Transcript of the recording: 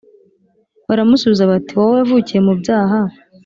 baramusubiza bati wowe wavukiye mu byaha